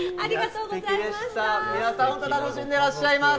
本当、楽しんでいらっしゃいます。